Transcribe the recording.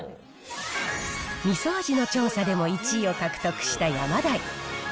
みそ味の調査でも１位を獲得したヤマダイ。